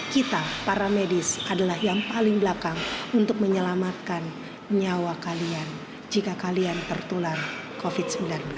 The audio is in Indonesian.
kita para medis adalah yang paling belakang untuk menyelamatkan nyawa kalian jika kalian tertular covid sembilan belas